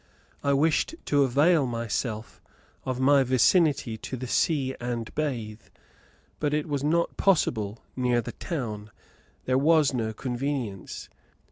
I wished to avail myself of my vicinity to the sea and bathe; but it was not possible near the town; there was no convenience.